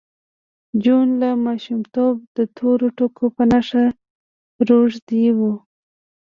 جون له ماشومتوبه د تورو ټکو په نشه روږدی و